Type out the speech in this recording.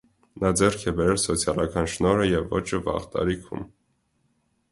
Նա ձեռք է բերել սոցիալական շնորհը և ոճը վաղ տարիքում։